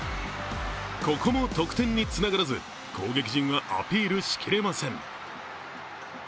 ここも得点につながらず、攻撃陣はアピールしきれません。